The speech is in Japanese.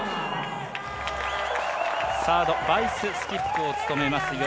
サードバイス・スキップを務めます